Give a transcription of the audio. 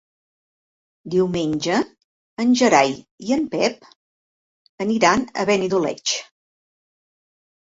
Diumenge en Gerai i en Pep aniran a Benidoleig.